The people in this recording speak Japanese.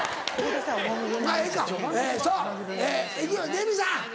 レミさん！